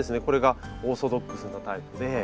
これがオーソドックスなタイプで。